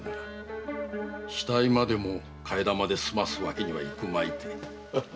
死体までも替え玉で済ますわけにはいくまいて。